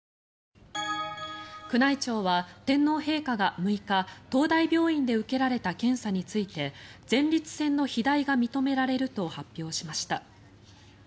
宮内庁は天皇陛下が６日東大病院で受けられた検査について前立腺の肥大が認められると発表しました。